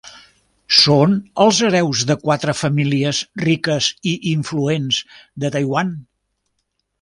Són els hereus de quatre famílies riques i influents de Taiwan.